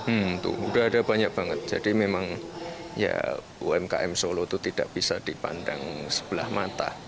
sudah ada banyak banget jadi memang umkm solo itu tidak bisa dipandang sebelah mata